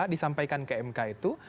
disampaikan ke mk itu